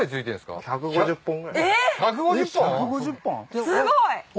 すごい！